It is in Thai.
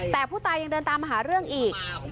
แต่ผู้ตายยังเดินตามมาหาเรื่องอีก